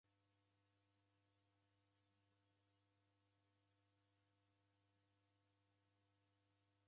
W'ana w'engi Daw'ida w'abonya kazi ekota magho gha zoghori.